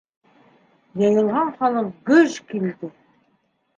Йыйылған халыҡ гөж килде.